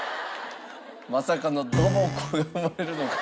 まさかのドボ子が生まれるのか？